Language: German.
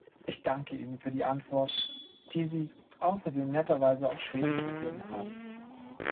Ich danke Ihnen für die Antwort, die Sie außerdem netterweise auf schwedisch gegeben haben.